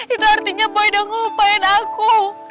itu artinya boy udah ngelupain aku